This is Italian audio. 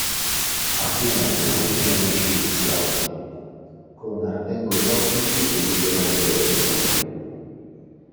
A Firenze stringe amicizia con Ardengo Soffici e Libero Andreotti.